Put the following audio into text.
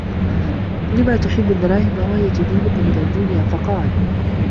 لِمَ تُحِبُّ الدَّرَاهِمَ وَهِيَ تُدِينُك مِنْ الدُّنْيَا ؟ فَقَالَ